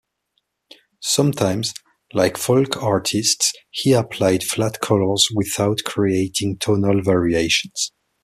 Sometimes, like folk artists, he applied flat colors without creating tonal variations.